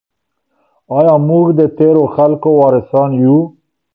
آیا موږ د تیرو خلګو وارثان یو؟